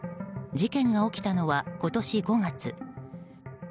事件が起きたのは今年５月。